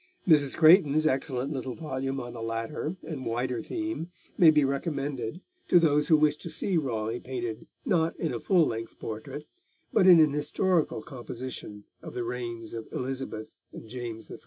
Mrs. Creighton's excellent little volume on the latter and wider theme may be recommended to those who wish to see Raleigh painted not in a full length portrait, but in an historical composition of the reigns of Elizabeth and James I.